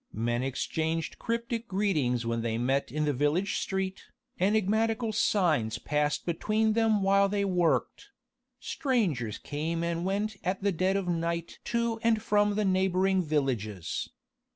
Men exchanged cryptic greetings when they met in the village street, enigmatical signs passed between them while they worked: strangers came and went at dead of night to and from the neighbouring villages.